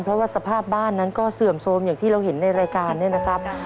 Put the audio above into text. เพราะว่าสภาพบ้านนั้นก็เสื่อมโทรมอย่างที่เราเห็นในรายการเนี่ยนะครับ